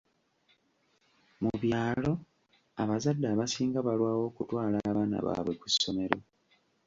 Mu byalo, abazadde abasinga balwawo okutwala abaana baabwe ku ssomero.